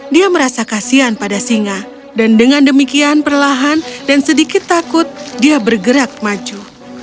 dia merasa kasian pada singa dan dengan demikian perlahan dan sedikit takut dia bergerak maju